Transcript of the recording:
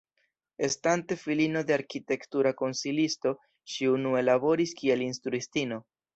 Estante filino de arkitektura konsilisto ŝi unue laboris kiel instruistino.